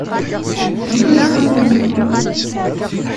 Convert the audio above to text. Irwi lxaṭer-iw.